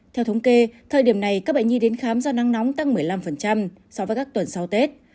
theo thống kê thời điểm này các bệnh nhi đến khám do nắng nóng tăng một mươi năm so với các tuần sau tết